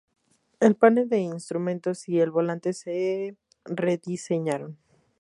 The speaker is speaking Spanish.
El panel de instrumentos y el volante se rediseñaron.